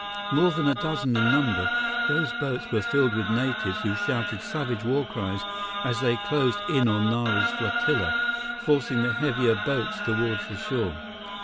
More than a dozen in number, those boats were filled with natives who shouted savage war cries as they closed in on Nara's flotilla, forcing the heavier boats toward the shore.